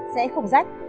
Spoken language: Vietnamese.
sẽ không rách